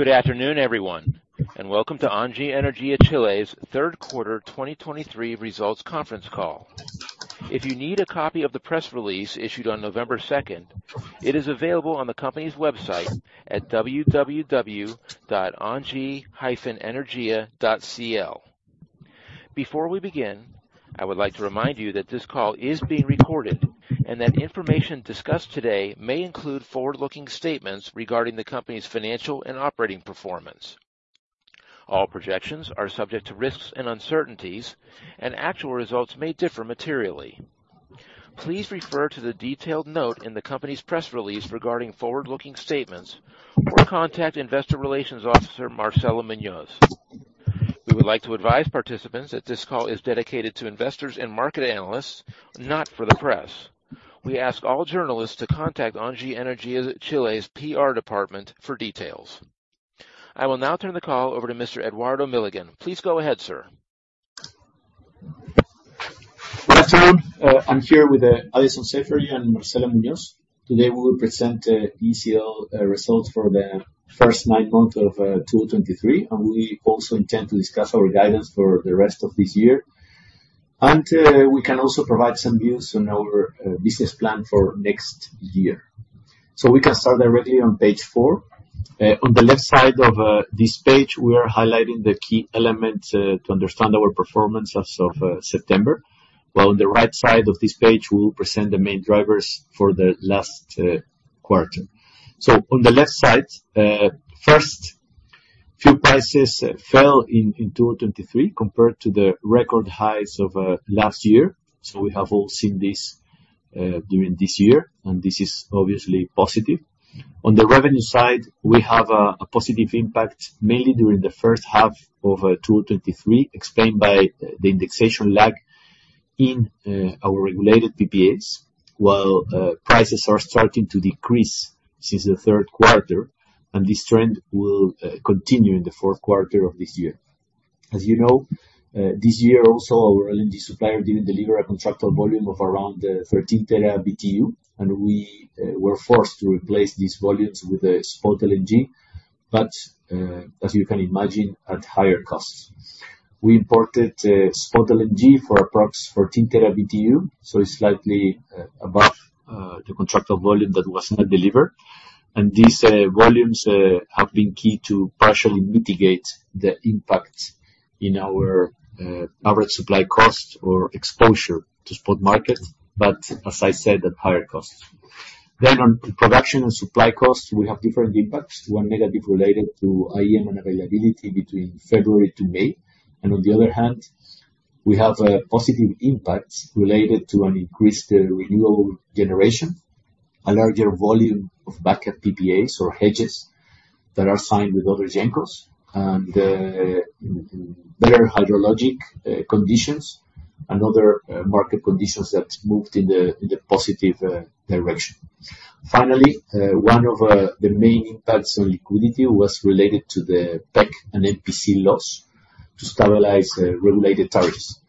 Good afternoon, everyone, and welcome to ENGIE Energía Chile's third quarter 2023 results conference call. If you need a copy of the press release issued on November 2nd, it is available on the company's website at www.engie-energia.cl. Before we begin, I would like to remind you that this call is being recorded and that information discussed today may include forward-looking statements regarding the company's financial and operating performance. All projections are subject to risks and uncertainties, and actual results may differ materially. Please refer to the detailed note in the company's press release regarding forward-looking statements or contact Investor Relations Officer Marcela Muñoz. We would like to advise participants that this call is dedicated to investors and market analysts, not for the press. We ask all journalists to contact ENGIE Energía Chile's PR department for details. I will now turn the call over to Mr. Eduardo Milligan. Please go ahead, sir. Good afternoon. I'm here with Alison Saffery and Marcela Muñoz. Today, we will present ECL results for the first nine months of 2023, and we also intend to discuss our guidance for the rest of this year. We can also provide some views on our business plan for next year. We can start directly on page four. On the left side of this page, we are highlighting the key elements to understand our performance as of September. While on the right side of this page, we will present the main drivers for the last quarter. On the left side, first, fuel prices fell in 2023 compared to the record highs of last year. We have all seen this during this year, and this is obviously positive. On the revenue side, we have a positive impact, mainly during the first half of 2023, explained by the indexation lag in our regulated PPAs, while prices are starting to decrease since the third quarter, and this trend will continue in the fourth quarter of this year. As you know, this year also, our LNG supplier didn't deliver a contractual volume of around 13 TBtu, and we were forced to replace these volumes with spot LNG, but, as you can imagine, at higher costs. We imported spot LNG for approximately 14 TBtu, so it's slightly above the contracted volume that was not delivered. These volumes have been key to partially mitigate the impact in our average supply cost or exposure to spot market, but as I said, at higher costs. Then on production and supply costs, we have different impacts, one negative related to IEM unavailability between February to May, and on the other hand, we have a positive impact related to an increased renewable generation, a larger volume of backup PPAs or hedges that are signed with other gencos, and better hydrologic conditions and other market conditions that moved in the positive direction. Finally, one of the main impacts on liquidity was related to the PEC and MPC law to stabilize regulated tariffs.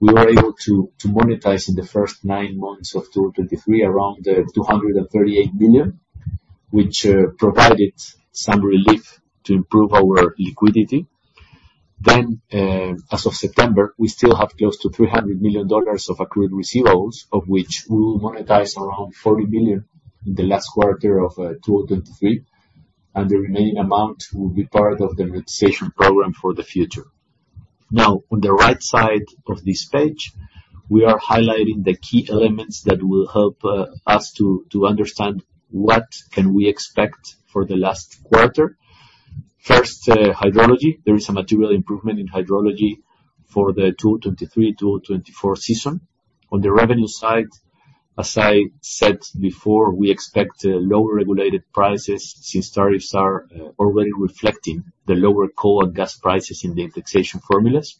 We were able to monetize in the first nine months of 2023, around 238 billion, which provided some relief to improve our liquidity. Then, as of September, we still have close to $300 million of accrued receivables, of which we will monetize around 40 billion in the last quarter of 2023, and the remaining amount will be part of the monetization program for the future. Now, on the right side of this page, we are highlighting the key elements that will help us to understand what can we expect for the last quarter. First, hydrology. There is a material improvement in hydrology for the 2023-2024 season. On the revenue side, as I said before, we expect lower regulated prices since tariffs are already reflecting the lower coal and gas prices in the indexation formulas.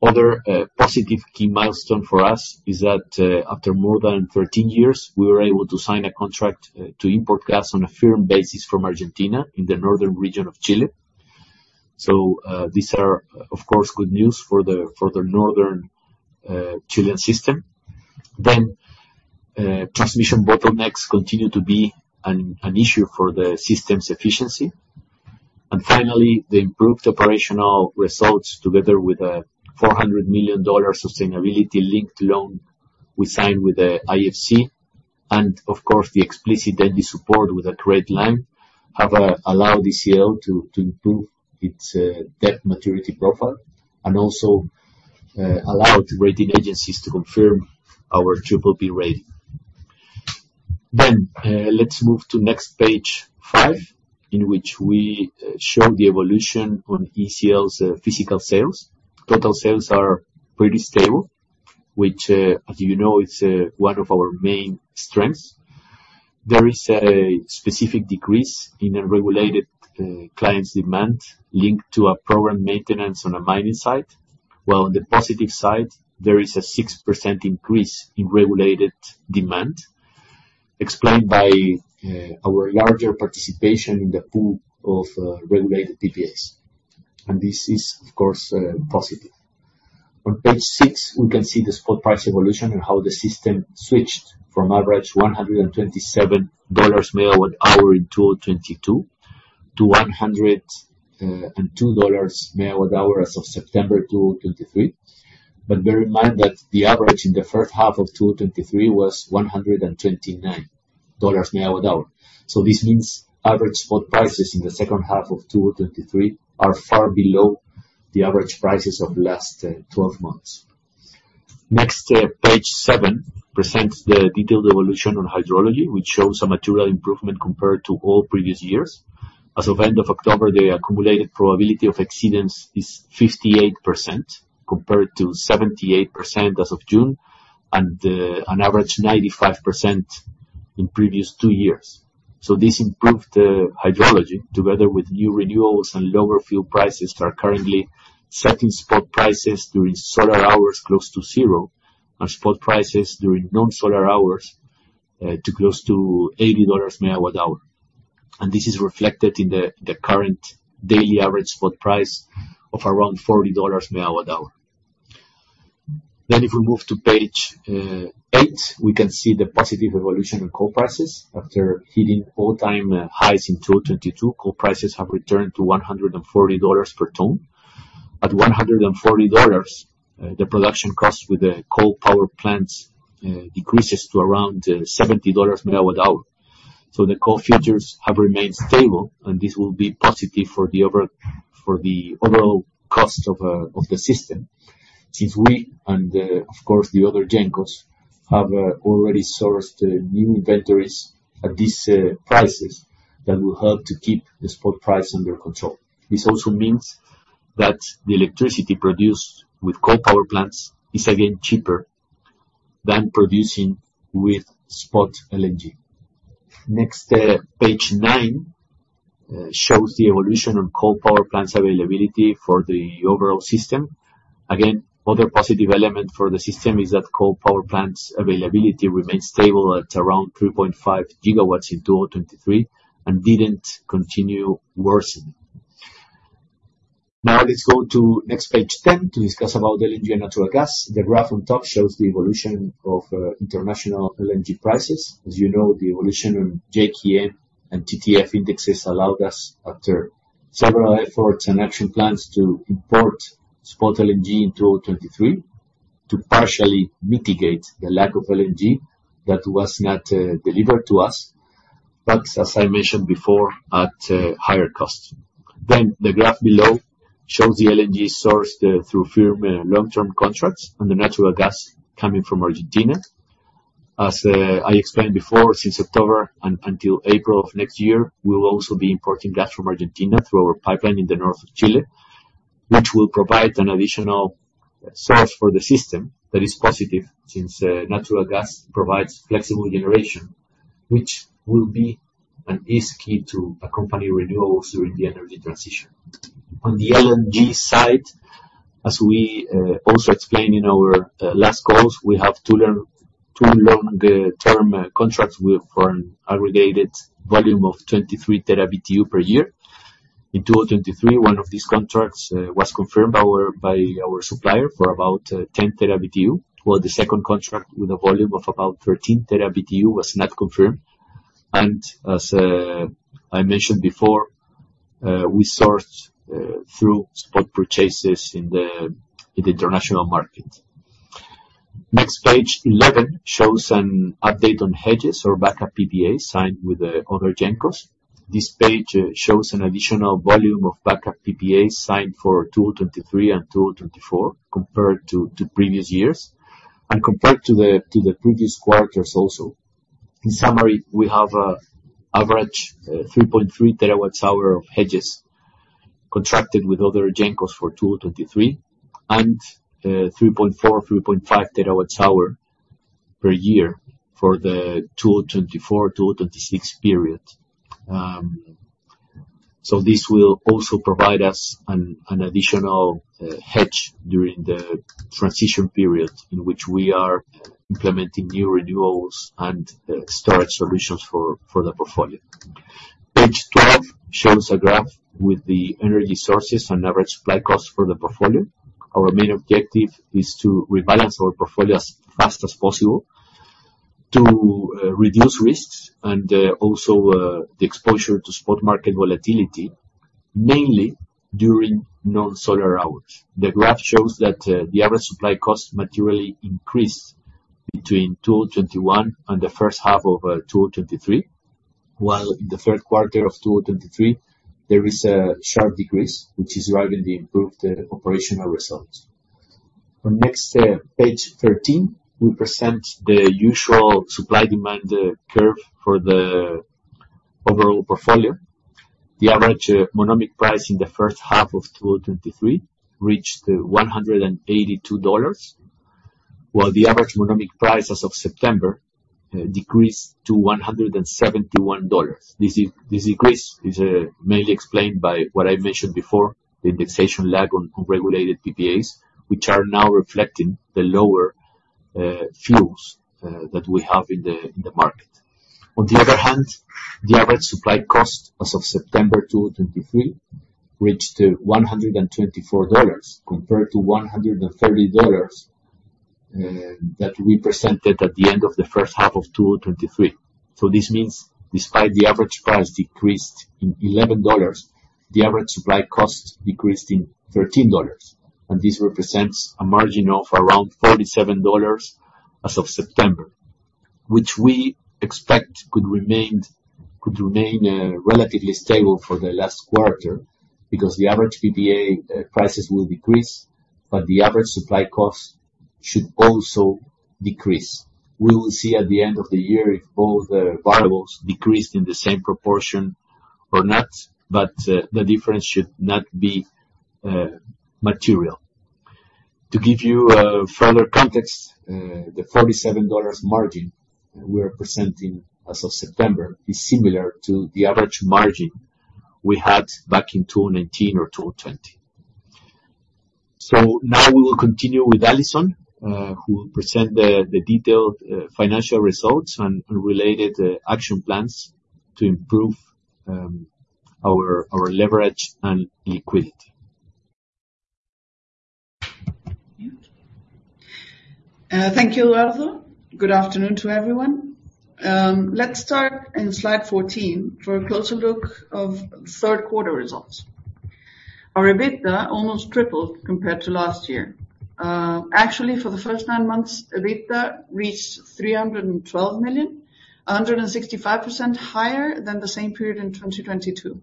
Other positive key milestone for us is that after more than 13 years, we were able to sign a contract to import gas on a firm basis from Argentina in the northern region of Chile. So these are, of course, good news for the northern Chilean system. Then transmission bottlenecks continue to be an issue for the system's efficiency. And finally, the improved operational results, together with a $400 million sustainability-linked loan we signed with the IFC, and of course, the explicit entity support with a credit line, have allowed ECL to improve its debt maturity profile and also allow the rating agencies to confirm our BBB rating. Then let's move to next page five, in which we show the evolution on ECL's physical sales. Total sales are pretty stable, which, as you know, is one of our main strengths. There is a specific decrease in the regulated clients' demand linked to a programmed maintenance on a mining site, while on the positive side, there is a 6% increase in regulated demand, explained by our larger participation in the pool of regulated PPAs. And this is, of course, positive. On page six, we can see the spot price evolution and how the system switched from average $127/MWh in 2022, to $102/MWh as of September 2023. But bear in mind that the average in the first half of 2023 was $129/MWh. So this means average spot prices in the second half of 2023 are far below the average prices of the last 12 months. Next, page seven presents the detailed evolution on hydrology, which shows a material improvement compared to all previous years. As of end of October, the accumulated probability of exceedance is 58%, compared to 78% as of June, and an average 95% in previous two years. So this improved hydrology, together with new renewables and lower fuel prices, are currently setting spot prices during solar hours close to zero, and spot prices during non-solar hours to close to $80/MWh. And this is reflected in the current daily average spot price of around $40/MWh. Then if we move to page eight, we can see the positive evolution in coal prices. After hitting all-time highs in 2022, coal prices have returned to $140 per ton. At $140, the production cost with the coal power plants decreases to around $70/MWh. So the coal futures have remained stable, and this will be positive for the overall cost of the system. Since we, and of course, the other gencos, have already sourced new inventories at these prices, that will help to keep the spot price under control. This also means that the electricity produced with coal power plants is again cheaper than producing with spot LNG. Next, page nine shows the evolution on coal power plants availability for the overall system. Again, other positive element for the system is that coal power plants availability remains stable at around 3.5 GW in 2023 and didn't continue worsening. Now, let's go to next page 10, to discuss about the LNG and natural gas. The graph on top shows the evolution of international LNG prices. As you know, the evolution on JKM and TTF indexes allowed us, after several efforts and action plans, to import spot LNG in 2023, to partially mitigate the lack of LNG that was not delivered to us, but as I mentioned before, at higher costs. Then the graph below shows the LNG sourced through firm long-term contracts and the natural gas coming from Argentina. As I explained before, since October and until April of next year, we'll also be importing gas from Argentina through our pipeline in the north of Chile, which will provide an additional source for the system that is positive, since natural gas provides flexible generation, which will be an easy key to accompany renewables during the energy transition. On the LNG side, as we also explained in our last calls, we have two long-term contracts with for an aggregated volume of 23 TBtu per year. In 2023, one of these contracts was confirmed by our supplier for about 10 TBtu, while the second contract with a volume of about 13 TBtu was not confirmed. As I mentioned before, we sourced through spot purchases in the international market. Next, page 11 shows an update on hedges or backup PPAs signed with the other gencos. This page shows an additional volume of backup PPAs signed for 2023 and 2024 compared to previous years, and compared to the previous quarters also. In summary, we have an average 3.3 TWh of hedges contracted with other gencos for 2023, and 3.4 TWh-3.5 TWh per year for the 2024-2026 period. So this will also provide us an additional hedge during the transition period in which we are implementing new renewals and storage solutions for the portfolio. Page 12 shows a graph with the energy sources and average supply costs for the portfolio. Our main objective is to rebalance our portfolio as fast as possible to reduce risks and also the exposure to spot market volatility, mainly during non-solar hours. The graph shows that the average supply cost materially increased between 2021 and the first half of 2023, while in the third quarter of 2023, there is a sharp decrease, which is driving the improved operational results. On next page 13, we present the usual supply-demand curve for the overall portfolio. The average monomic price in the first half of 2023 reached $182, while the average monomic price as of September decreased to $171. This decrease is mainly explained by what I mentioned before, the indexation lag on regulated PPAs, which are now reflecting the lower fuels that we have in the market. On the other hand, the average supply cost as of September 2023 reached to $124, compared to $130 that we presented at the end of the first half of 2023. So this means despite the average price decreased in $11, the average supply cost decreased in $13, and this represents a margin of around $47 as of September, which we expect could remain relatively stable for the last quarter, because the average PPA prices will decrease, but the average supply costs should also decrease. We will see at the end of the year if both variables decreased in the same proportion or not, but the difference should not be material. To give you further context, the $47 margin we are presenting as of September is similar to the average margin we had back in 2019 or 2020. So now we will continue with Alison who will present the detailed financial results and related action plans to improve our leverage and liquidity. Thank you, Eduardo. Good afternoon to everyone. Let's start in slide 14 for a closer look of third quarter results. Our EBITDA almost tripled compared to last year. Actually, for the first nine months, EBITDA reached $312 million, 165% higher than the same period in 2022.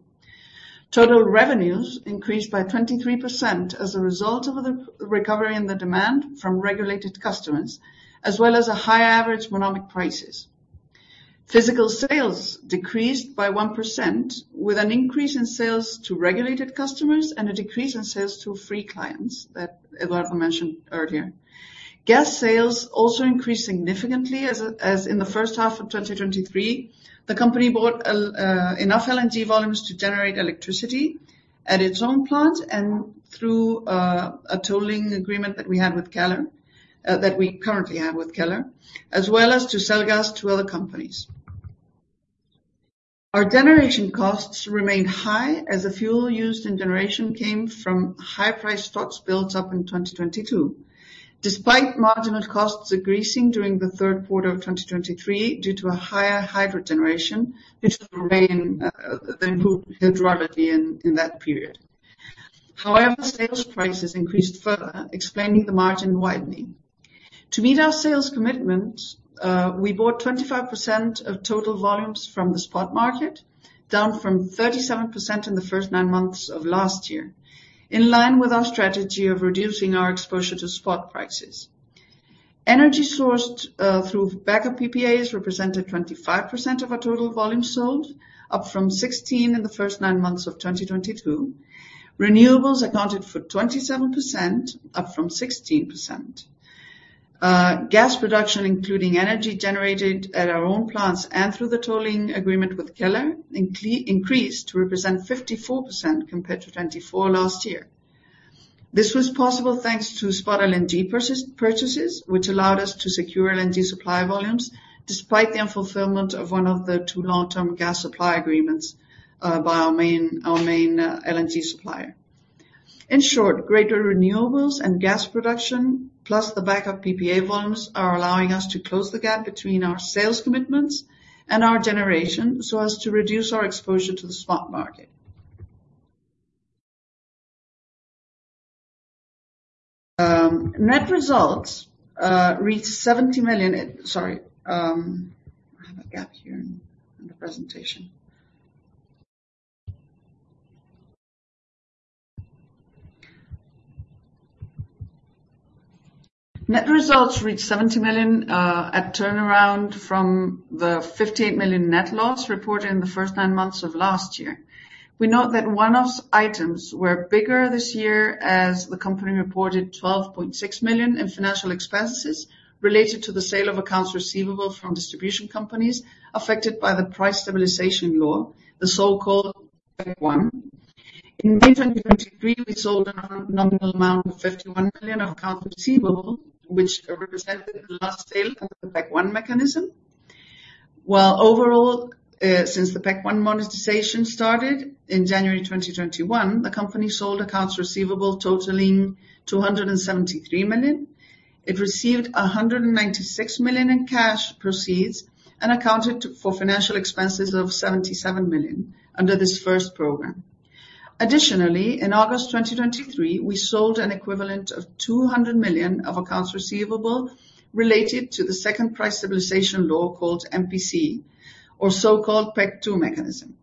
Total revenues increased by 23% as a result of the recovery in the demand from regulated customers, as well as a high average monomic prices. Physical sales decreased by 1%, with an increase in sales to regulated customers and a decrease in sales to free clients, that Eduardo mentioned earlier. Gas sales also increased significantly as in the first half of 2023, the company bought enough LNG volumes to generate electricity at its own plant and through a tolling agreement that we had with Kelar that we currently have with Kelar, as well as to sell gas to other companies. Our generation costs remained high as the fuel used in generation came from high price stocks built up in 2022. Despite marginal costs increasing during the third quarter of 2023, due to a higher hydro generation, which remained then improved hydrologically in that period. However, sales prices increased further, explaining the margin widening. To meet our sales commitments, we bought 25% of total volumes from the spot market, down from 37% in the first nine months of last year, in line with our strategy of reducing our exposure to spot prices. Energy sourced through backup PPAs represented 25% of our total volume sold, up from 16% in the first nine months of 2022. Renewables accounted for 27%, up from 16%. Gas production, including energy generated at our own plants and through the tolling agreement with Kelar, increased to represent 54% compared to 24% last year. This was possible thanks to spot LNG purchases, which allowed us to secure LNG supply volumes, despite the unfulfillment of one of the two long-term gas supply agreements by our main LNG supplier. In short, greater renewables and gas production, plus the backup PPA volumes, are allowing us to close the gap between our sales commitments and our generation, so as to reduce our exposure to the spot market. Net results reached $70 million. Sorry, I have a gap here in the presentation. Net results reached $70 million at turnaround from the $58 million net loss reported in the first nine months of last year. We note that one-off items were bigger this year, as the company reported $12.6 million in financial expenses related to the sale of accounts receivable from distribution companies affected by the price stabilization law, the so-called PEC-1. In 2023, we sold a nominal amount of $51 million of accounts receivable, which represented the last sale of the PEC-1 mechanism. Well, overall, since the PEC-1 monetization started in January 2021, the company sold accounts receivable totaling $273 million. It received $196 million in cash proceeds and accounted for financial expenses of $77 million under this first program. Additionally, in August 2023, we sold an equivalent of $200 million of accounts receivable related to the second price stabilization law, called MPC, or so-called PEC-2 mechanism.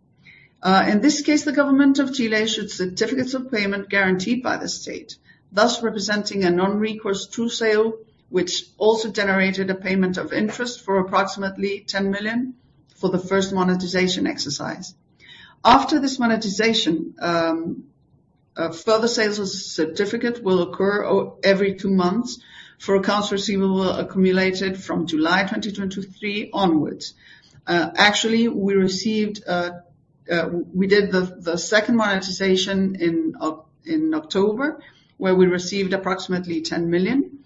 In this case, the government of Chile issued certificates of payment guaranteed by the state, thus representing a non-recourse true sale, which also generated a payment of interest for approximately $10 million for the first monetization exercise. After this monetization, further sales of certificates will occur every two months for accounts receivable accumulated from July 2023 onwards. Actually, we received a-... We did the second monetization in October, where we received approximately $10 million,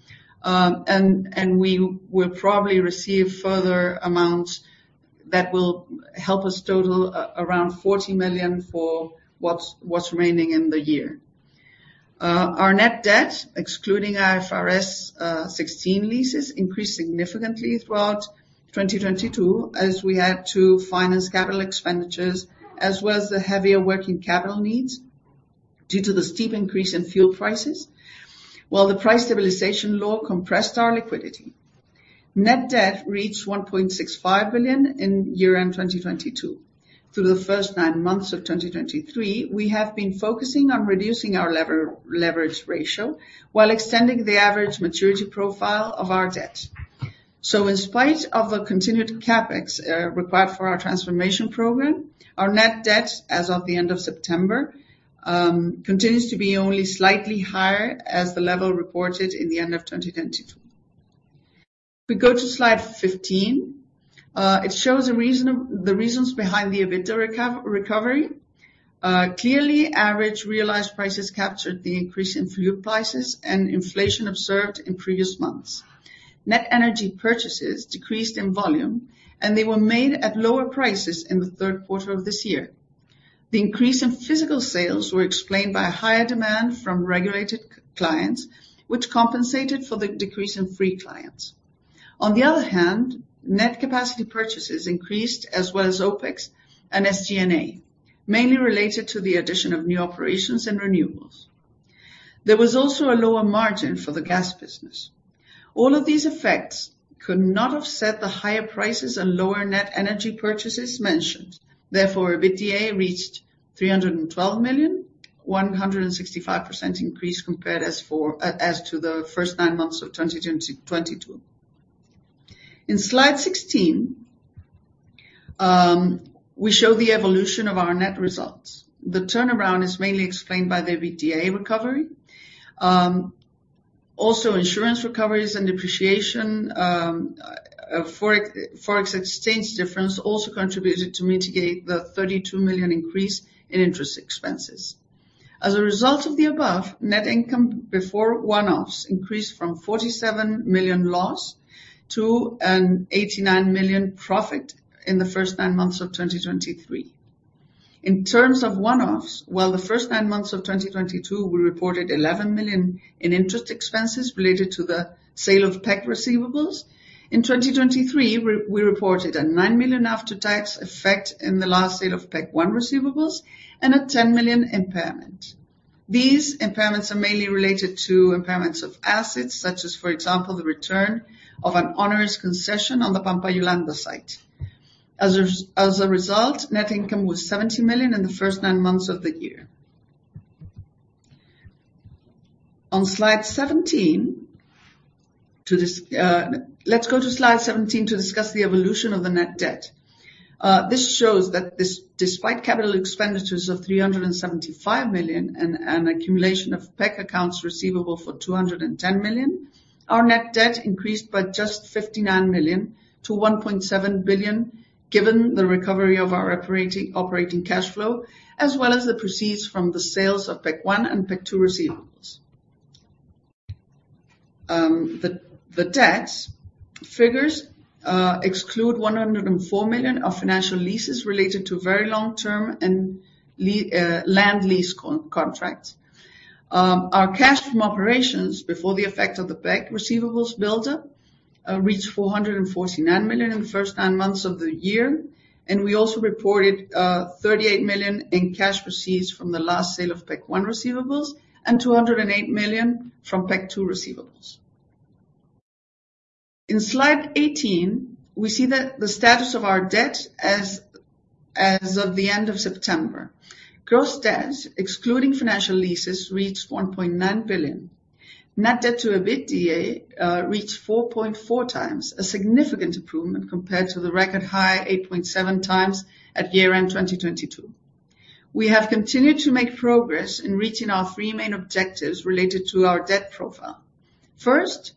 and we will probably receive further amounts that will help us total around $40 million for what's remaining in the year. Our net debt, excluding IFRS 16 leases, increased significantly throughout 2022 as we had to finance capital expenditures, as well as the heavier working capital needs due to the steep increase in fuel prices, while the price stabilization law compressed our liquidity. Net debt reached $1.65 billion in year-end 2022. Through the first nine months of 2023, we have been focusing on reducing our leverage ratio, while extending the average maturity profile of our debt. So in spite of the continued CapEx required for our transformation program, our net debt as of the end of September continues to be only slightly higher than the level reported at the end of 2022. If we go to slide 15, it shows the reasons behind the EBITDA recovery. Clearly, average realized prices captured the increase in fuel prices and inflation observed in previous months. Net energy purchases decreased in volume, and they were made at lower prices in the third quarter of this year. The increase in physical sales was explained by a higher demand from regulated clients, which compensated for the decrease in free clients. On the other hand, net capacity purchases increased as well as OpEx and SG&A, mainly related to the addition of new operations and renewables. There was also a lower margin for the gas business. All of these effects could not offset the higher prices and lower net energy purchases mentioned. Therefore, EBITDA reached $312 million, 165% increase compared to the first nine months of 2022. In slide 16, we show the evolution of our net results. The turnaround is mainly explained by the EBITDA recovery. Also, insurance recoveries and depreciation, forex exchange difference also contributed to mitigate the $32 million increase in interest expenses. As a result of the above, net income before one-offs increased from $47 million loss to an $89 million profit in the first nine months of 2023. In terms of one-offs, while the first nine months of 2022, we reported $11 million in interest expenses related to the sale of PEC receivables. In 2023, we reported a $9 million after-tax effect in the last sale of PEC-1 receivables and a $10 million impairment. These impairments are mainly related to impairments of assets, such as, for example, the return of an onerous concession on the Pampa Yolanda site. As a result, net income was $70 million in the first nine months of the year. On slide 17, let's go to slide 17 to discuss the evolution of the net debt. This shows that, despite capital expenditures of $375 million and an accumulation of PEC accounts receivable for $210 million, our net debt increased by just $59 million to $1.7 billion, given the recovery of our operating cash flow, as well as the proceeds from the sales of PEC-1 and PEC-2 receivables. The debt figures exclude $104 million of financial leases related to very long-term land lease contracts. Our cash from operations before the effect of the PEC receivables buildup reached $449 million in the first nine months of the year, and we also reported $38 million in cash proceeds from the last sale of PEC-1 receivables, and $208 million from PEC-2 receivables. In slide 18, we see the status of our debt as of the end of September. Gross debt, excluding financial leases, reached $1.9 billion. Net debt to EBITDA reached 4.4x, a significant improvement compared to the record high 8.7x at year-end 2022. We have continued to make progress in reaching our three main objectives related to our debt profile. First,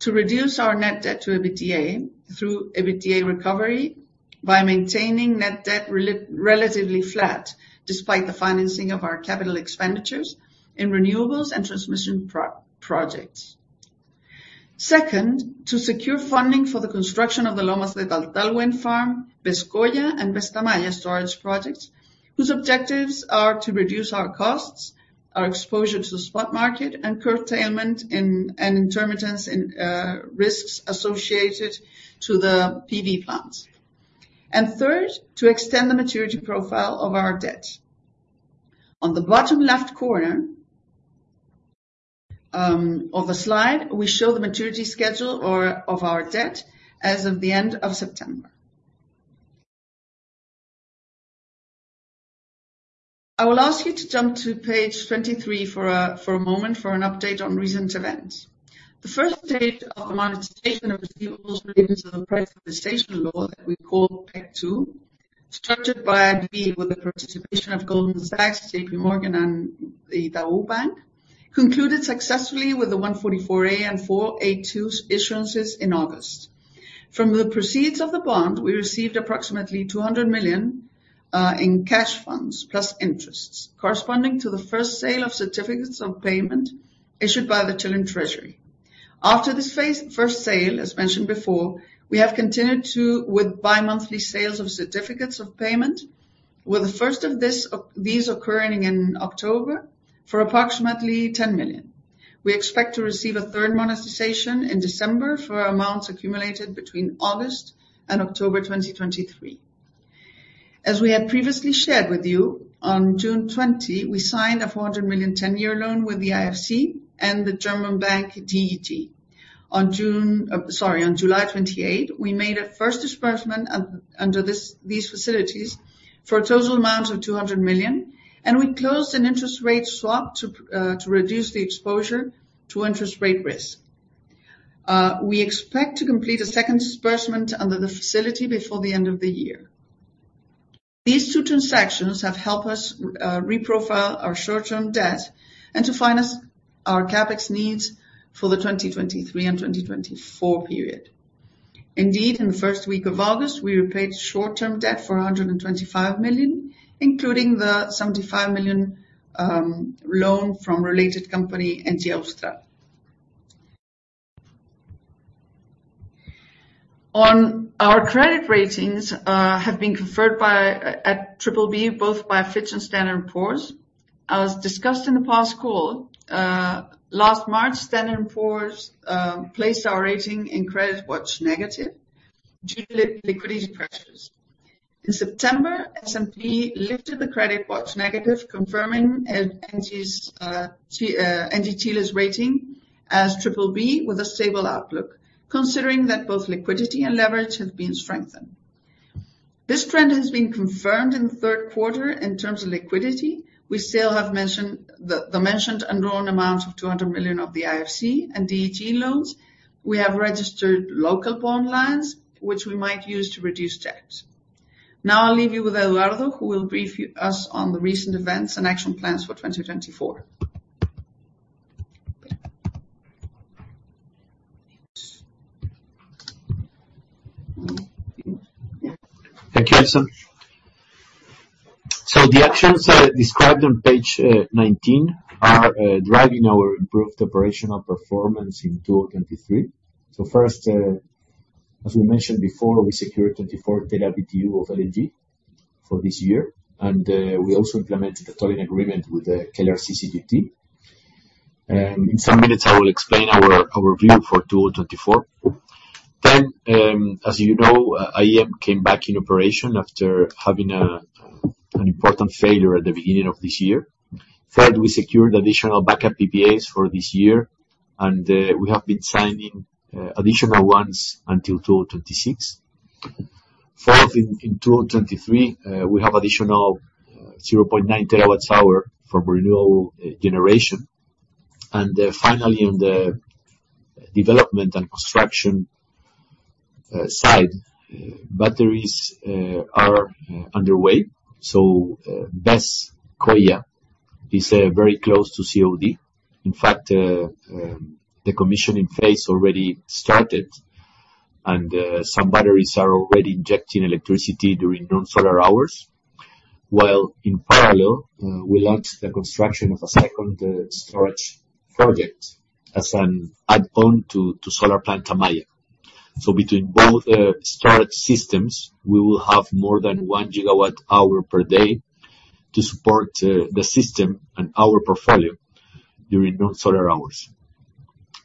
to reduce our net debt to EBITDA through EBITDA recovery by maintaining net debt relatively flat, despite the financing of our capital expenditures in renewables and transmission projects. Second, to secure funding for the construction of the Lomas de Taltal wind farm, Coya and BESS Tamaya storage projects, whose objectives are to reduce our costs, our exposure to the spot market, and curtailment and intermittence risks associated to the PV plants. And third, to extend the maturity profile of our debt. On the bottom left corner of the slide, we show the maturity schedule of our debt as of the end of September. I will ask you to jump to page 23 for a moment for an update on recent events. The first stage of the monetization of receivables related to the Price Stabilization Law that we call PEC-2, structured by a deal with the participation of Goldman Sachs, JPMorgan, and the Itaú Bank concluded successfully with the Rule 144A and Reg S issuances in August. From the proceeds of the bond, we received approximately $200 million in cash funds, plus interest, corresponding to the first sale of certificates of payment issued by the Chilean Treasury. After this phase, first sale, as mentioned before, we have continued to, with bi-monthly sales of certificates of payment, with the first of these occurring in October for approximately $10 million. We expect to receive a third monetization in December for amounts accumulated between August and October 2023. As we had previously shared with you, on June 20, we signed a $400 million ten-year loan with the IFC and the German bank, DEG. On July 28, we made a first disbursement under these facilities for a total amount of $200 million, and we closed an interest rate swap to reduce the exposure to interest rate risk. We expect to complete a second disbursement under the facility before the end of the year. These two transactions have helped us reprofile our short-term debt and to finance our CapEx needs for the 2023 and 2024 period. Indeed, in the first week of August, we repaid short-term debt for $125 million, including the $75 million loan from related company, ENGIE Austral. Our credit ratings have been confirmed at BBB by both Fitch and Standard & Poor's. As discussed in the past call last March, Standard & Poor's placed our rating in CreditWatch Negative due to liquidity pressures. In September, S&P lifted the CreditWatch Negative, confirming ENGIE Energía Chile's rating as BBB with a stable outlook, considering that both liquidity and leverage have been strengthened. This trend has been confirmed in the third quarter in terms of liquidity. We still have the mentioned and drawn amounts of $200 million of the IFC and DEG loans. We have registered local bond lines, which we might use to reduce debt. Now, I'll leave you with Eduardo, who will brief us on the recent events and action plans for 2024. Thank you, Alison. The actions described on page 19 are driving our improved operational performance in 2023. So first, as we mentioned before, we secured 24 TWh of LNG for this year, and we also implemented a tolling agreement with the Kelar CCGT. In some minutes, I will explain our view for 2024. Then, as you know, IEM came back in operation after having an important failure at the beginning of this year. Third, we secured additional backup PPAs for this year, and we have been signing additional ones until 2026. Fourth, in 2023, we have additional 0.9 TWh from renewable generation. And finally, on the development and construction side, batteries are underway. So, BESS Coya is very close to COD. In fact, the commissioning phase already started, and some batteries are already injecting electricity during non-solar hours. While in parallel, we launched the construction of a second storage project as an add-on to solar plant Tamaya. So between both storage systems, we will have more than 1 GWh per day to support the system and our portfolio during non-solar hours.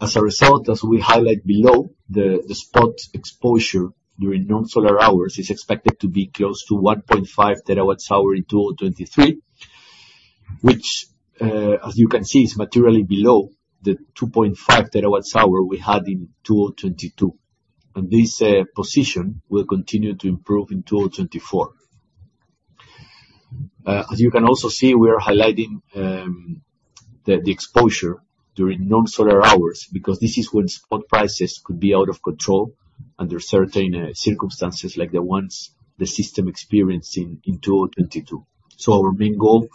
As a result, as we highlight below, the spot exposure during non-solar hours is expected to be close to 1.5 TWh in 2023, which, as you can see, is materially below the 2.5 TWh we had in 2022, and this position will continue to improve in 2024. As you can also see, we are highlighting the exposure during non-solar hours because this is when spot prices could be out of control under certain circumstances like the ones the system experienced in 2022. So our main goal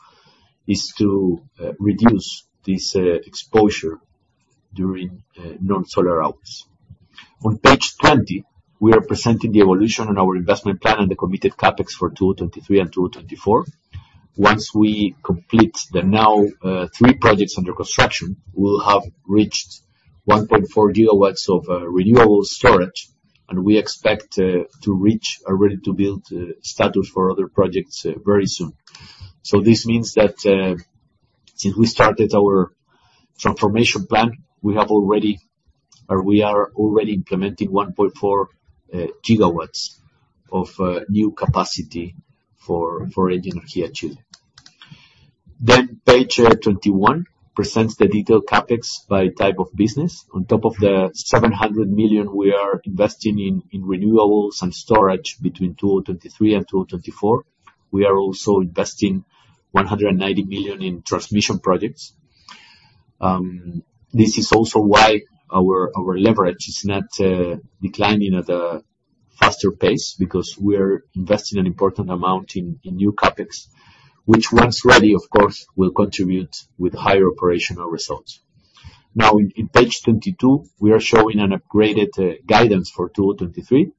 is to reduce this exposure during non-solar hours. On page 20, we are presenting the evolution on our investment plan and the committed CapEx for 2023 and 2024. Once we complete the now three projects under construction, we'll have reached 1.4 GW of renewable storage, and we expect to reach a ready-to-build status for other projects very soon. So this means that since we started our transformation plan, we have already... or we are already implementing 1.4 GW of new capacity for ENGIE Energía Chile. Then page 21 presents the detailed CapEx by type of business. On top of the $700 million we are investing in renewables and storage between 2023 and 2024, we are also investing $190 million in transmission projects. This is also why our leverage is not declining at the faster pace because we're investing an important amount in new CapEx, which once ready, of course, will contribute with higher operational results. Now, in page 22, we are showing an upgraded guidance for 2023,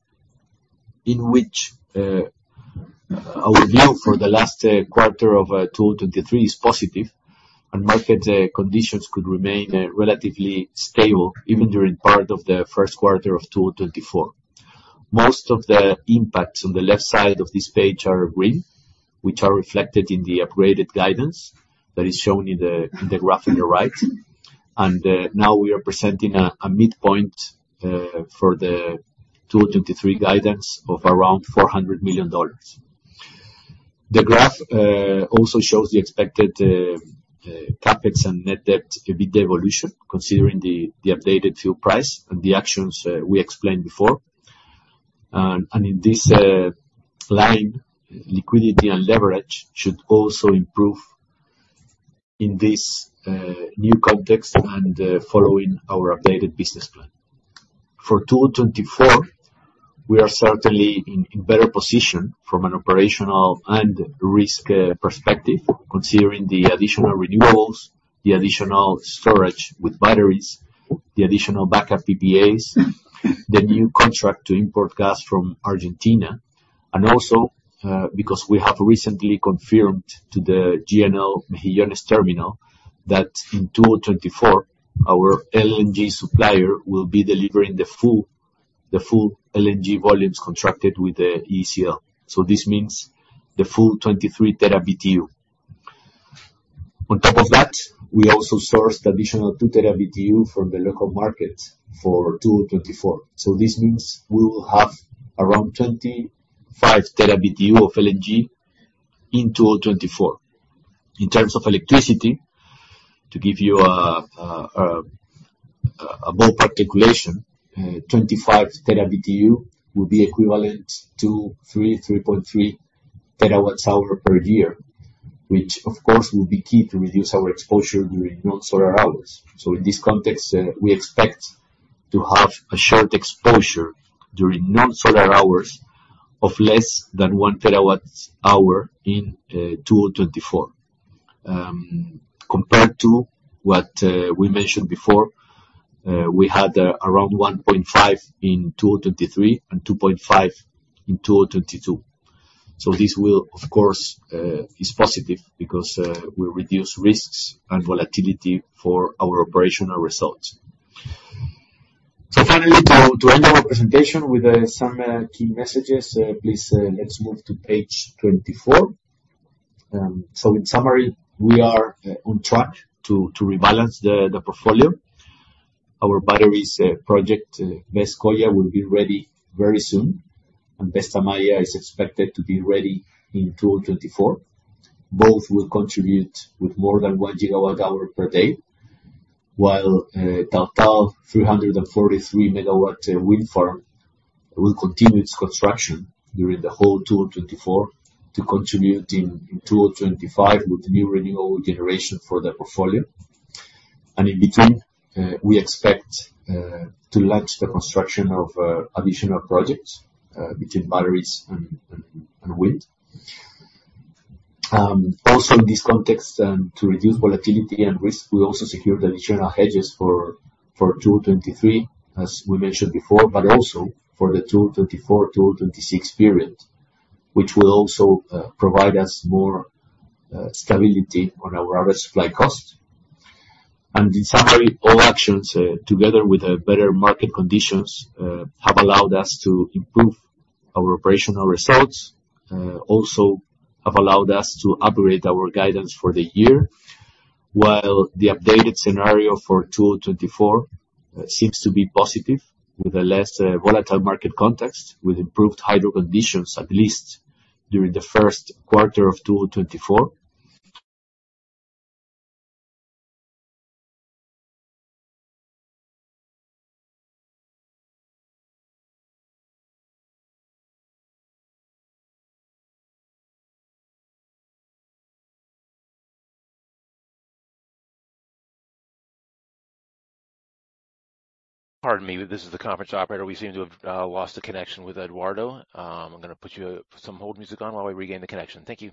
in which our view for the last quarter of 2023 is positive, and market conditions could remain relatively stable even during part of the first quarter of 2024. Most of the impacts on the left side of this page are green, which are reflected in the upgraded guidance that is shown in the graph on the right. Now we are presenting a midpoint for the 2023 guidance of around $400 million. The graph also shows the expected CapEx and net debt, EBITDA evolution, considering the updated fuel price and the actions we explained before. In this line, liquidity and leverage should also improve in this new context and following our updated business plan. For 2024, we are certainly in better position from an operational and risk perspective, considering the additional renewables, the additional storage with batteries, the additional backup PPAs, the new contract to import gas from Argentina, and also because we have recently confirmed to the GNL Mejillones terminal that in 2024, our LNG supplier will be delivering the full LNG volumes contracted with the ECL. So this means the full 23 TBtu. On top of that, we also sourced additional 2 TBtu from the local market for 2024. So this means we will have around 25 TBtu of LNG in 2024. In terms of electricity, to give you a ballpark calculation, 25 TBtu will be equivalent to 3.3 TWh per year, which of course will be key to reduce our exposure during non-solar hours. So in this context, we expect to have a short exposure during non-solar hours of less than 1 TWh in 2024. Compared to what we mentioned before, we had around 1.5 in 2023 and 2.5 in 2022. So this will, of course, is positive because we reduce risks and volatility for our operational results. So finally, to end our presentation with some key messages, please let's move to page 24. So in summary, we are on track to rebalance the portfolio. Our batteries project, BESS Coya will be ready very soon, and BESS Tamaya is expected to be ready in 2024. Both will contribute with more than 1 GWh per day, while Taltal 343 MW wind farm will continue its construction during the whole 2024, to contribute in 2025 with new renewable generation for the portfolio. And in between, we expect to launch the construction of additional projects between batteries and wind. Also in this context, to reduce volatility and risk, we also secured additional hedges for 2023, as we mentioned before, but also for the 2024-2026 period, which will also provide us more stability on our average supply cost. In summary, all actions, together with better market conditions, have allowed us to improve our operational results, also have allowed us to operate our guidance for the year, while the updated scenario for 2024 seems to be positive, with a less volatile market context, with improved hydro conditions, at least during the first quarter of 2024. Pardon me, this is the conference operator. We seem to have lost the connection with Eduardo. I'm going to put you up some hold music on while we regain the connection. Thank you.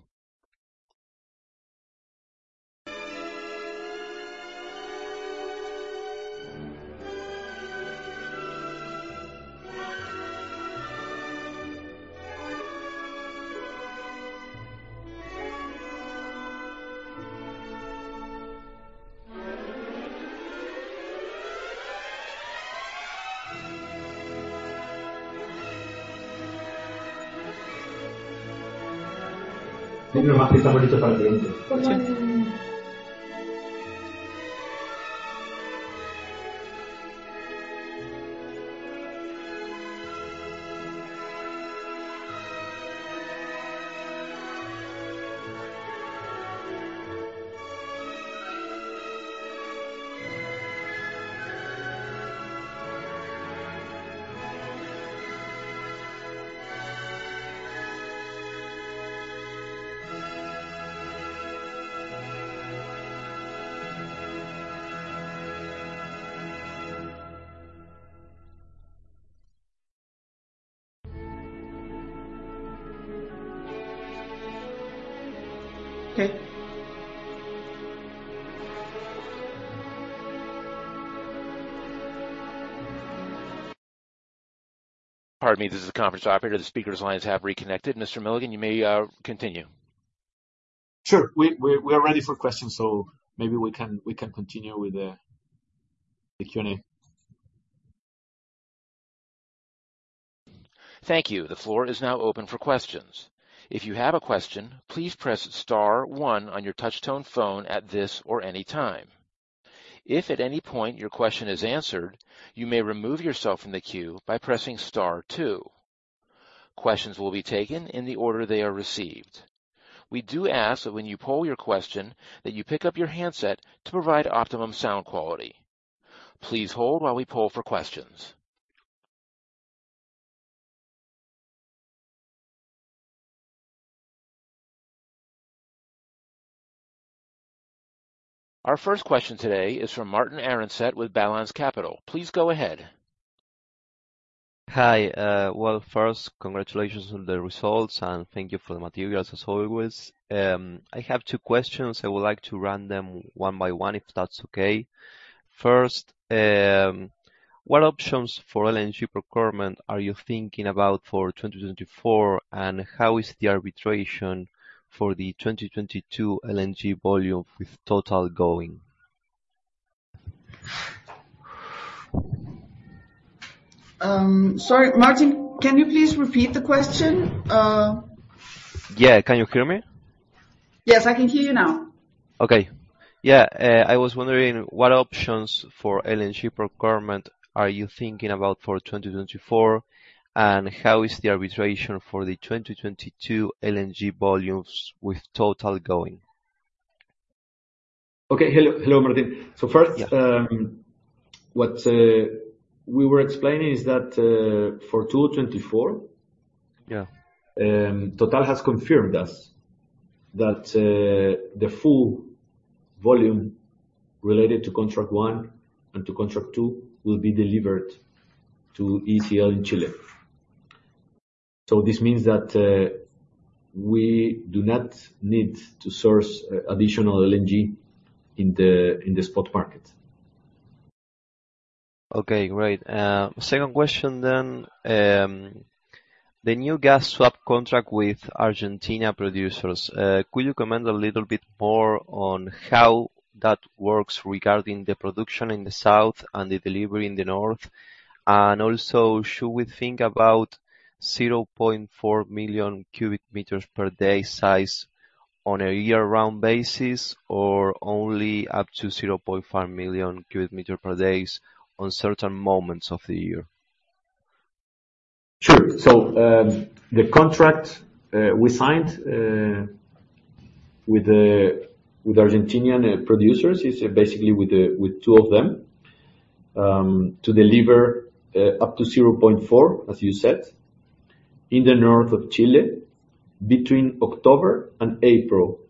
Pardon me. This is the conference operator. The speaker's lines have reconnected. Mr. Milligan, you may continue. Sure. We are ready for questions, so maybe we can continue with the Q&A. Thank you. The floor is now open for questions. If you have a question, please press star one on your touchtone phone at this or any time. If at any point your question is answered, you may remove yourself from the queue by pressing star two. Questions will be taken in the order they are received. We do ask that when you pose your question, that you pick up your handset to provide optimum sound quality. Please hold while we poll for questions. Our first question today is from Martin Arancet with Balanz Capital. Please go ahead. Hi, well, first, congratulations on the results, and thank you for the materials, as always. I have two questions. I would like to run them one by one, if that's okay. First, what options for LNG procurement are you thinking about for 2024, and how is the arbitration for the 2022 LNG volume with Total going? Sorry, Martin, can you please repeat the question? Yeah. Can you hear me? Yes, I can hear you now. Okay. Yeah, I was wondering, what options for LNG procurement are you thinking about for 2024, and how is the arbitration for the 2022 LNG volumes with Total going? Okay. Hello. Hello, Martin. Yeah. First, what we were explaining is that, for 2024- Yeah. Total has confirmed us that the full volume related to contract one and to contract two will be delivered to ECL in Chile. So this means that we do not need to source additional LNG in the spot market. Okay, great. Second question then. The new gas swap contract with Argentina producers, could you comment a little bit more on how that works regarding the production in the south and the delivery in the north? And also, should we think about 0.4 million cubic meters per day size on a year-round basis, or only up to 0.5 million cubic meter per days on certain moments of the year? Sure. So, the contract we signed with the Argentinian producers is basically with two of them to deliver up to 0.4, as you said, in the north of Chile, between October and April,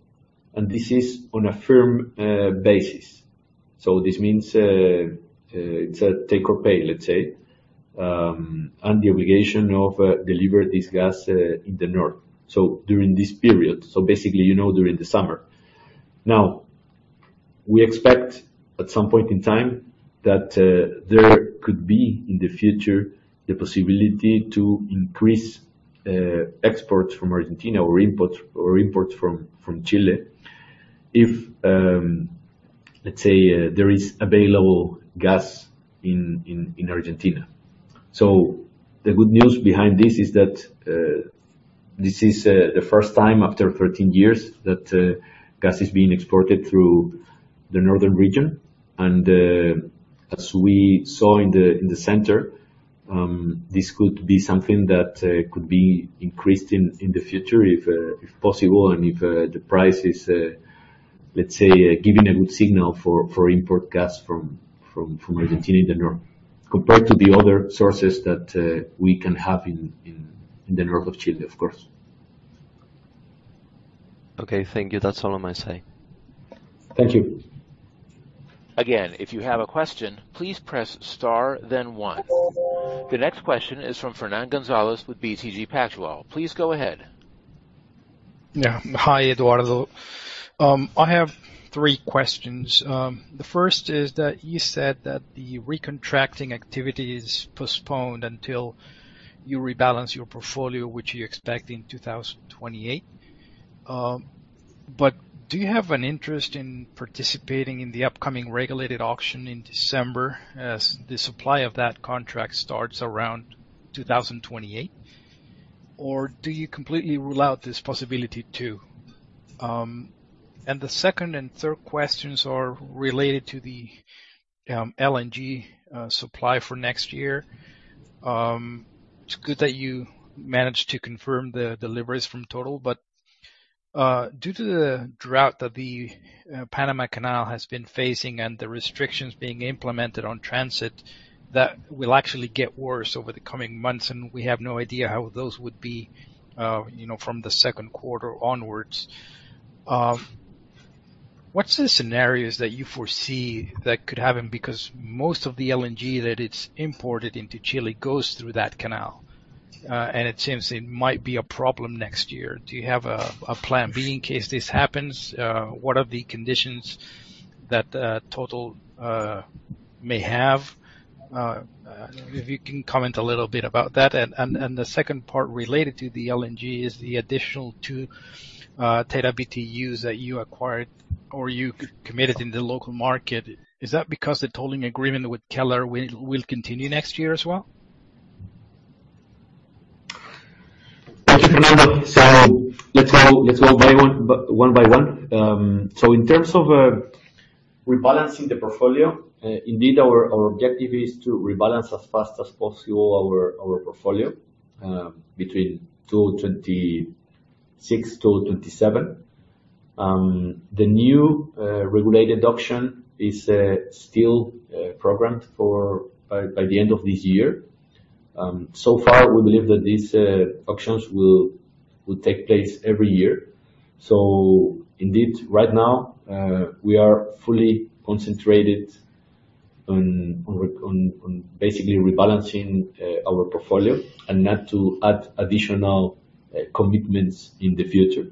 and this is on a firm basis. So this means it's a take or pay, let's say, and the obligation of deliver this gas in the north. So during this period, so basically, you know, during the summer. Now, we expect at some point in time that there could be, in the future, the possibility to increase exports from Argentina or imports from Chile, if, let's say, there is available gas in Argentina. So the good news behind this is that this is the first time after 13 years that gas is being exported through the northern region, and as we saw in the center, this could be something that could be increased in the future, if possible, and if the price is, let's say, giving a good signal for import gas from Argentina in the north, compared to the other sources that we can have in the north of Chile, of course. Okay, thank you. That's all on my side. Thank you. Again, if you have a question, please press star, then one. The next question is from Fernán González with BTG Pactual. Please go ahead. Yeah. Hi, Eduardo. I have three questions. The first is that you said that the recontracting activity is postponed until you rebalance your portfolio, which you expect in 2028. But do you have an interest in participating in the upcoming regulated auction in December, as the supply of that contract starts around 2028? Or do you completely rule out this possibility, too? And the second and third questions are related to the LNG supply for next year. It's good that you managed to confirm the deliveries from Total, but due to the drought that the Panama Canal has been facing and the restrictions being implemented on transit, that will actually get worse over the coming months, and we have no idea how those would be, you know, from the second quarter onwards. What's the scenarios that you foresee that could happen? Because most of the LNG that it's imported into Chile goes through that canal, and it seems it might be a problem next year. Do you have a plan B in case this happens? What are the conditions that Total may have? If you can comment a little bit about that. And the second part, related to the LNG, is the additional two TBtu that you acquired or you committed in the local market, is that because the tolling agreement with Kelar will continue next year as well? Thank you, Fernando. So let's go one by one. In terms of rebalancing the portfolio, indeed, our objective is to rebalance as fast as possible our portfolio between 2026-2027. The new regulated auction is still programmed for by the end of this year. So far, we believe that these auctions will take place every year. So indeed, right now, we are fully concentrated on basically rebalancing our portfolio and not to add additional commitments in the future,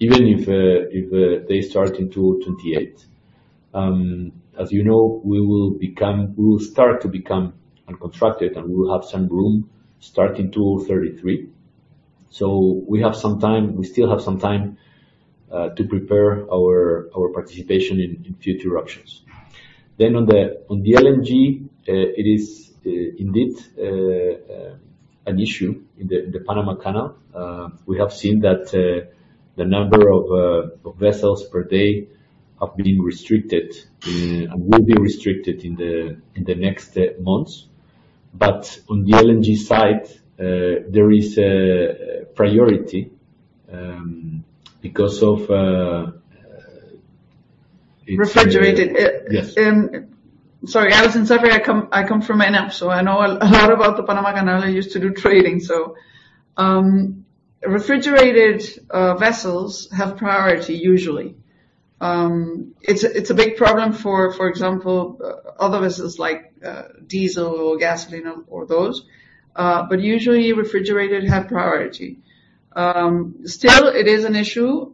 even if they start in 2028. As you know, we will become. We will start to become uncontracted, and we will have some room starting 2033. So we have some time. We still have some time to prepare our participation in future auctions. Then on the LNG, it is indeed an issue in the Panama Canal. We have seen that the number of vessels per day have been restricted and will be restricted in the next months. But on the LNG side, there is a priority because of it's- Refrigerated. Yes. Sorry, Alison Saffery. I come from ENAP, so I know a lot about the Panama Canal. I used to do trading, so. Refrigerated vessels have priority, usually. It's a big problem, for example, other vessels like diesel or gasoline or those, but usually refrigerated have priority. Still, it is an issue.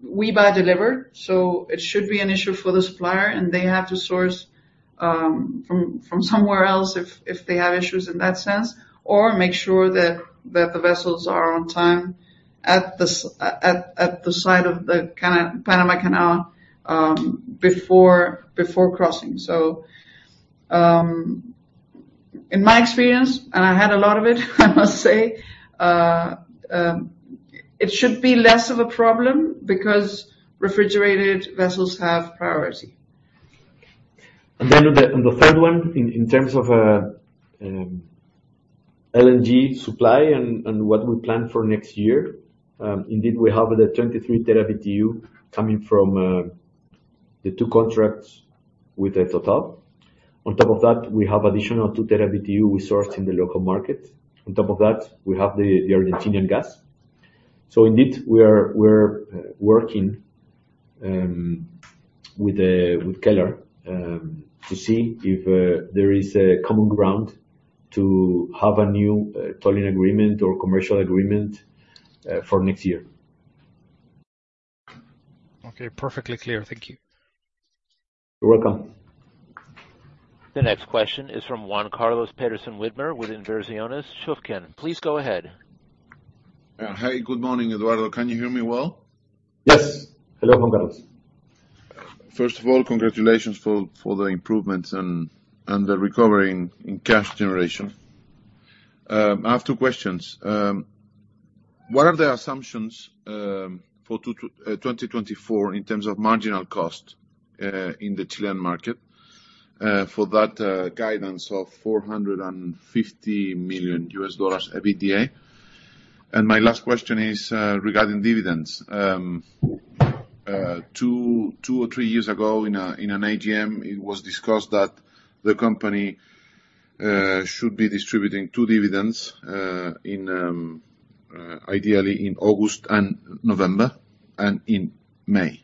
We buy delivered, so it should be an issue for the supplier, and they have to source from somewhere else if they have issues in that sense, or make sure that the vessels are on time at the side of the Panama Canal before crossing. So, in my experience, and I had a lot of it, I must say, it should be less of a problem because refrigerated vessels have priority. And then on the third one, in terms of LNG supply and what we plan for next year, indeed, we have the 23 TBtu coming from the two contracts with Total. On top of that, we have additional 2 TBtu we sourced in the local market. On top of that, we have the Argentinian gas. So indeed, we are working with Kelar to see if there is a common ground to have a new tolling agreement or commercial agreement for next year. Okay, perfectly clear. Thank you. You're welcome. The next question is from Juan Carlos Petersen Widmer with Inversiones Schuffen. Please go ahead. Hi, good morning, Eduardo. Can you hear me well? Yes. Hello, Juan Carlos. First of all, congratulations for the improvements and the recovery in cash generation. I have two questions. What are the assumptions for 2024 in terms of marginal cost in the Chilean market for that guidance of $450 million EBITDA? And my last question is regarding dividends. Two or three years ago, in an AGM, it was discussed that the company should be distributing two dividends, ideally in August and November and in May,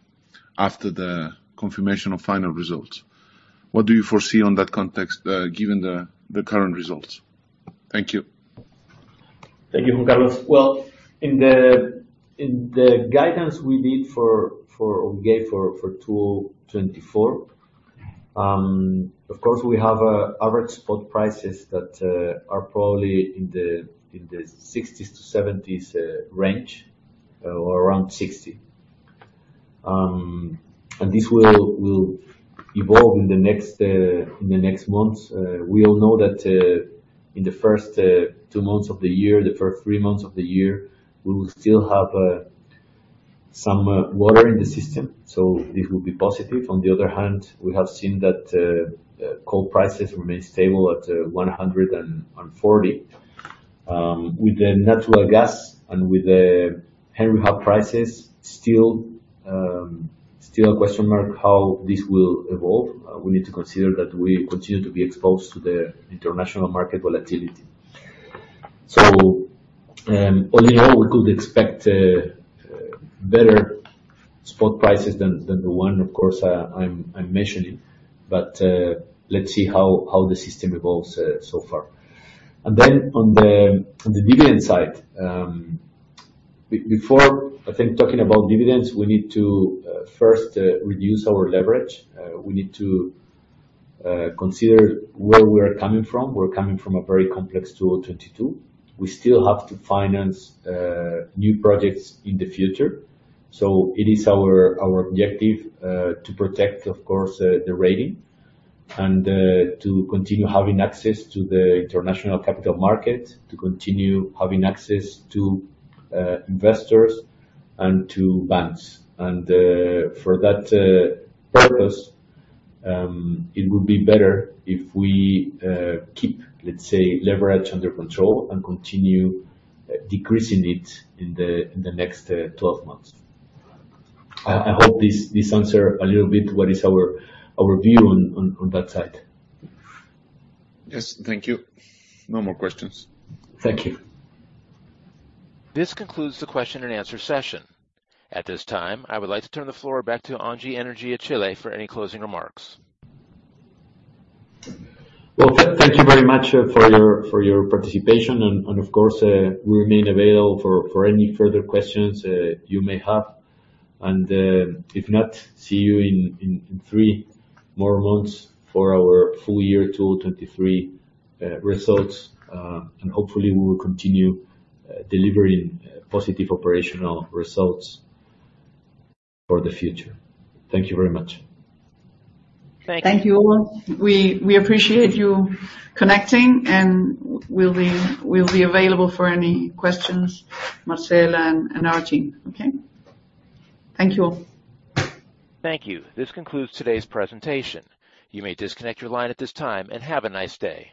after the confirmation of final results. What do you foresee on that context given the current results? Thank you. Thank you, Juan Carlos. Well, in the guidance we gave for 2024, of course, we have average spot prices that are probably in the 60s-70s range, or around 60. And this will evolve in the next months. We all know that in the first two months of the year, the first three months of the year, we will still have some water in the system, so this will be positive. On the other hand, we have seen that coal prices remain stable at $140. With the natural gas and with the Henry Hub prices, still a question mark how this will evolve. We need to consider that we continue to be exposed to the international market volatility. So, all in all, we could expect better spot prices than the one, of course, I'm mentioning. But let's see how the system evolves, so far. Then on the dividend side, before, I think, talking about dividends, we need to first reduce our leverage. We need to consider where we're coming from. We're coming from a very complex 2022. We still have to finance new projects in the future. So it is our objective to protect, of course, the rating and to continue having access to the international capital market, to continue having access to investors and to banks. For that purpose, it would be better if we keep, let's say, leverage under control and continue decreasing it in the next 12 months. I hope this answer a little bit what is our view on that side. Yes. Thank you. No more questions. Thank you. This concludes the question and answer session. At this time, I would like to turn the floor back to ENGIE Energía Chile for any closing remarks. Well, thank you very much for your participation and, of course, we remain available for any further questions you may have. And, if not, see you in three more months for our full year 2023 results. And hopefully, we will continue delivering positive operational results for the future. Thank you very much. Thank you. Thank you all. We appreciate you connecting, and we'll be available for any questions, Marcela and our team. Okay? Thank you all. Thank you. This concludes today's presentation. You may disconnect your line at this time, and have a nice day.